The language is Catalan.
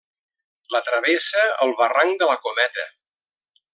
La travessa el barranc de la Cometa.